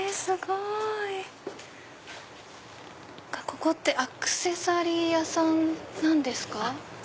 ここってアクセサリー屋さんなんですか？